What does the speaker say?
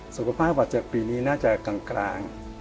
สุขภาพบาดเจ็บปีนี้น่าจะกลาง